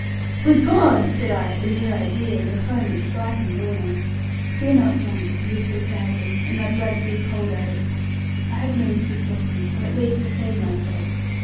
'Good God!' said I, at the mere idea; in a tone which frightened Lorna. 'Fear not, John,' she whispered sadly, and my blood grew cold at it: 'I have means to stop him; or at least to save myself.